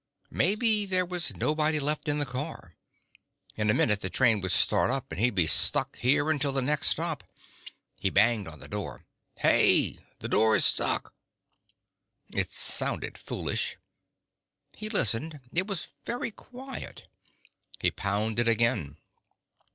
Maybe there was nobody left in the car. In a minute the train would start up and he'd be stuck here until the next stop. He banged on the door. "Hey! The door is stuck!" It sounded foolish. He listened. It was very quiet. He pounded again.